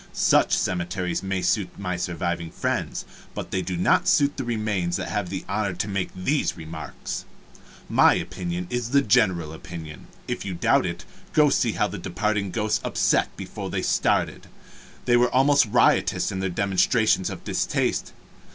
Such cemeteries may suit my surviving friends, but they do not suit the remains that have the honor to make these remarks. My opinion is the general opinion. If you doubt it, go and see how the departing ghosts upset things before they started. They were almost riotous in their demonstrations of distaste.